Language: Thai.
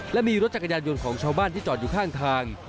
และมีรถจักรยานยนต์ของชาวบ้านที่จอดอยู่ข้างทาง